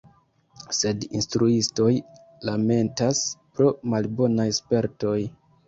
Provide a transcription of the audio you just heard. Sed instruistoj lamentas, pro malbonaj spertoj.